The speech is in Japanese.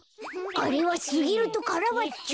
あれはすぎるとカラバッチョ。